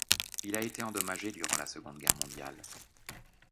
Il a été endommagé durant la Seconde Guerre Mondiale.